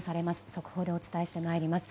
速報でお伝えしてまいります。